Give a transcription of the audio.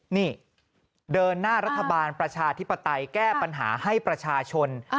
นี่เดินหน้ารัฐบาลประชาธิปไตยแก้ปัญหาให้ประชาชน